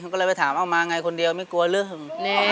ก็เลยไปถามเอามาไงคนเดียวไม่กลัวเรื่อง